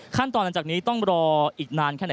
ขั้นตอนต่างจากนี้ต้องรออีกนานแค่ไหน